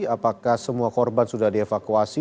apakah semua korban sudah dievakuasi